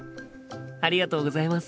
ありがとうございます。